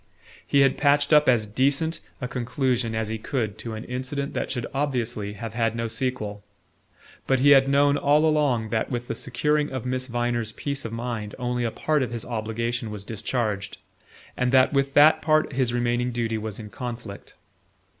He had patched up as decent a conclusion as he could to an incident that should obviously have had no sequel; but he had known all along that with the securing of Miss Viner's peace of mind only a part of his obligation was discharged, and that with that part his remaining duty was in conflict.